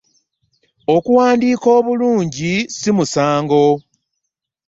Okuwandiika obulungi ssi musango.